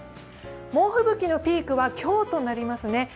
もう吹雪のピークは今日となりますね。